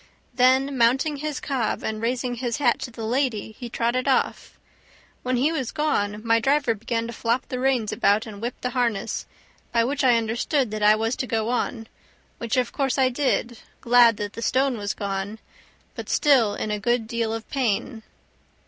Then mounting his cob and raising his hat to the lady he trotted off. When he was gone my driver began to flop the reins about and whip the harness, by which I understood that I was to go on, which of course I did, glad that the stone was gone, but still in a good deal of pain.